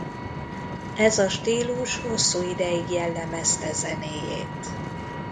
Ez a stílus hosszú ideig jellemezte zenéjét.